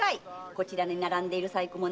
こちらに並んでる細工物はね